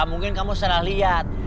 mungkin kamu salah liat